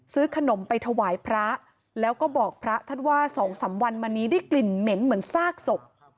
ซื้อขนมไปถวายพระแล้วก็บอกพระท่านว่า๒๓วันมานี้ได้กลิ่นเหม็นเหมือนซากศพ